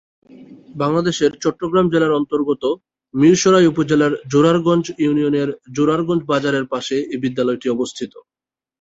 বাংলাদেশের চট্টগ্রাম জেলার অন্তর্গত মীরসরাই উপজেলার জোরারগঞ্জ ইউনিয়নের জোরারগঞ্জ বাজারের পাশে এ বিদ্যালয়টি অবস্থিত।